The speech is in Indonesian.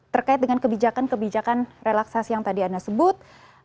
terkait dengan kebijakan kebijakan relaksasi yang tadi anda sebut